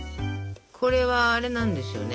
これはあれなんですよね。